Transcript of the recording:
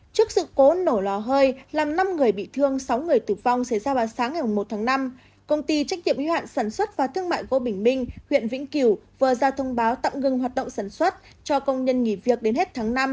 trước sự cố nổ lò hơi làm năm người bị thương sáu người tử vong xảy ra vào sáng ngày một tháng năm công ty trách nhiệm y hoạn sản xuất và thương mại gỗ bình minh huyện vĩnh cửu vừa ra thông báo tạm ngừng hoạt động sản xuất cho công nhân nghỉ việc đến hết tháng năm